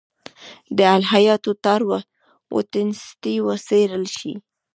د الهیاتو تار و تنستې وڅېړل شي.